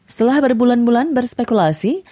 setelah berbulan bulan berspekulasi